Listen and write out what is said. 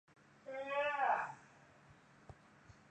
其后他生平不详。